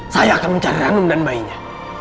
saya akan mencari hanum dan bayinya